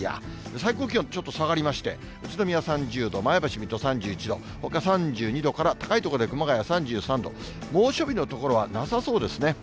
最高気温、ちょっと下がりまして、宇都宮３０度、前橋、水戸３１度、ほか３２度から、高い所で熊谷３３度、猛暑日の所はなさそうですね。